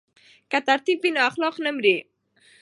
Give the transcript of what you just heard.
که تربیت وي نو اخلاق نه مري.